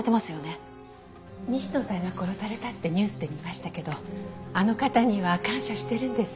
西野さんが殺されたってニュースで見ましたけどあの方には感謝してるんです。